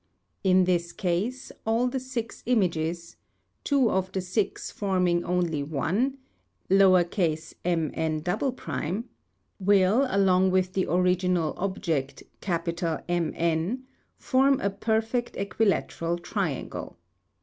In this case all the six images (two of the six forming only one, m"n",') will, along with the original object, M N, form a perfect equilateral triangle.